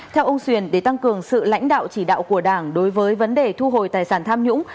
theo ông xuyền để tăng cường sự lãnh đạo chỉ đạo của đảng đối với vấn đề thu hồi tài sản tham nhũng